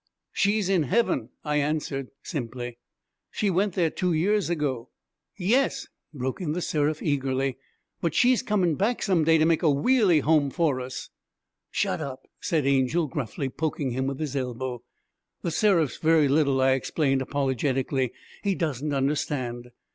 'She's in heaven,' I answered simply. 'She went there two years ago.' 'Yes,' broke in The Seraph eagerly, 'but she's comin' back some day to make a weally home for us.' 'Shut up!' said Angel gruffly, poking him with his elbow. 'The Seraph's very little,' I explained apologetically; 'he doesn't understand.'